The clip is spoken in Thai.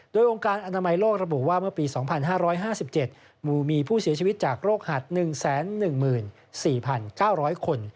โดยองค์การอนามัยโลกระบุว่าเมื่อปี๒๕๕๗หมู่มีผู้เสียชีวิตจากโรคหัด๑๑๔๙๐๐คน